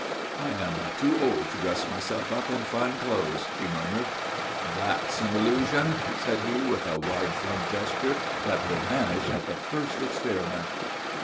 "I am too old to dress myself up in fine clothes," she murmured. "That's an illusion," said he, with a wide flung gesture, "that will vanish at the first experiment."